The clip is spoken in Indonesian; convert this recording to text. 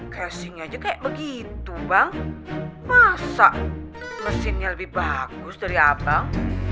casing aja kayak begitu bang masak mesinnya lebih bagus dari abang